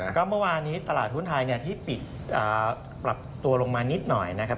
ก็เมื่อวานี้ตลาดหุ้นไทยที่ปิดปรับตัวลงมานิดหน่อยนะครับ